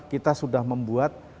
kita sudah membuat